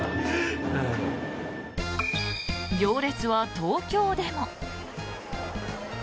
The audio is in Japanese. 行列は東京でも。